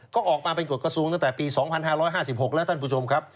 ก็ออกมาเป็นกฎกระทรวงตั้งแต่ปี๒๕๕๖แล้วท่านผู้ชมครับ